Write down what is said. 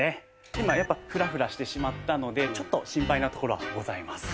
今やっぱフラフラしてしまったのでちょっと心配なところはございます。